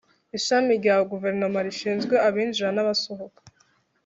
ishami rya guverinoma rishinzwe abinjira na abasohoka